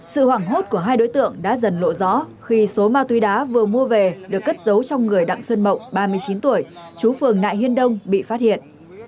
sự hoảng hốt của hai đối tượng đã dần lộ rõ khi số ma túy đá vừa mua về được cất giấu trong người đặng xuân mộng ba mươi chín tuổi chú phường nại hiên đông bị phát hiện